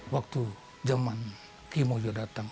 waktu zaman kiai mojo datang